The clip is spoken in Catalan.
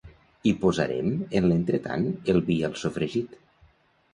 Hi posarem en l'entretant el vi al sofregit.